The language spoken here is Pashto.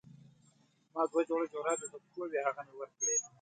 زما دوه جوړه جرابې په پښو وې هغه مې ورکړې.